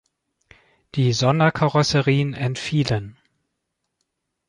Die Sonderkarosserien entfielen.